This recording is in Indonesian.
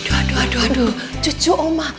aduh aduh aduh aduh cucu oma